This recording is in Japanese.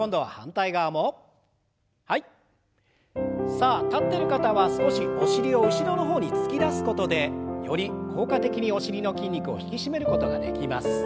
さあ立ってる方は少しお尻を後ろの方に突き出すことでより効果的にお尻の筋肉を引き締めることができます。